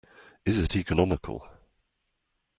Is it economical?